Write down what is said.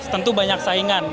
tentu banyak saingan